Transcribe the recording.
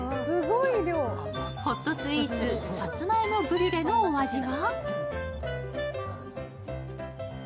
ホットスイーツ、さつまいもブリュレのお味は？